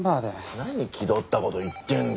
何気取った事言ってんだよ。